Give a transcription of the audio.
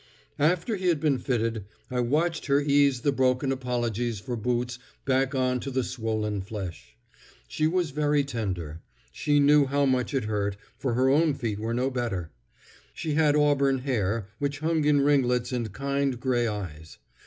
After he had been fitted, I watched her ease the broken apologies for boots back on to the swollen flesh. She was very tender. She knew how much it hurt, for her own feet were no better. She had auburn hair, which hung in ringlets, and kind gray eyes.